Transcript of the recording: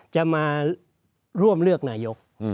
จะมาร่วมเลือกนายก